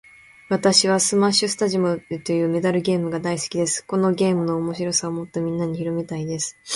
私はスマッシュスタジアムというメダルゲームが大好きです。このゲームの面白さをもっとみんなに広めたいです。